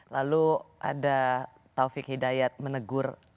lalu ada taufik hidayat menegur